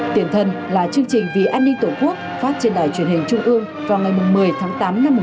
tiền thân là chương trình vì an ninh tổ quốc phát trên đài truyền hình trung ương vào ngày một mươi tháng tám năm một nghìn chín trăm bốn mươi